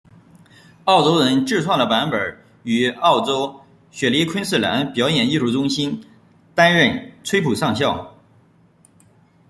澳洲人自创的版本于澳洲雪梨昆士兰表演艺术中心担任崔普上校。